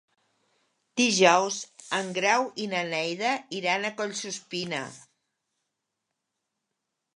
Dijous en Grau i na Neida iran a Collsuspina.